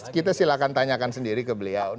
kita silakan tanyakan sendiri ke beliau